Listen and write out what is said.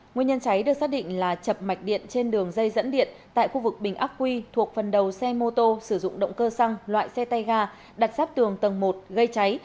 nguyên nhân cháy được xác định là chập mạch điện trên đường dây dẫn điện tại khu vực bình ác quy thuộc phần đầu xe mô tô sử dụng động cơ xăng loại xe tay ga đặt sáp tường tầng một gây cháy